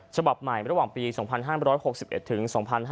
ฉบับใหม่ระหว่างปี๒๕๖๑ถึง๒๕๕๙